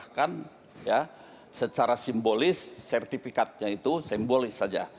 kita akan mencerahkan secara simbolis sertifikatnya itu simbolis saja